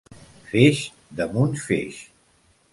Feix damunt feix.